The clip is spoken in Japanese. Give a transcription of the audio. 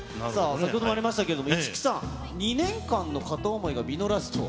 先ほどもありましたけれども、市來さん、２年間の片思いが実らずと。